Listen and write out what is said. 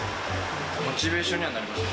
モチベーションにはなりますね。